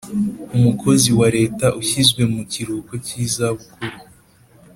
umukozi wa leta ushyizwe mu kiruhuko cy’izabukuru,